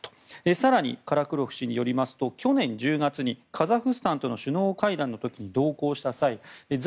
更に、カラクロフ氏によりますと去年１０月にカザフスタンとの首脳会談の時に同行した際在